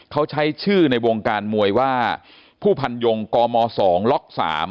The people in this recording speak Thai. เขาใช้ชื่อในวงการมวยว่าผู้พันยงกม๒ล็อก๓